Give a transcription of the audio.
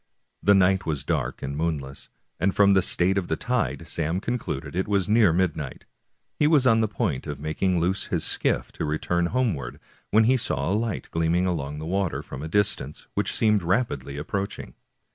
The night was dark and moonless, and from the state of the tide Sam concluded it was near midnight. He was on the point of making loose his skiff to return homeward when he saw a light gleaming along the water from a distance, which seemed rapidly ap proaching.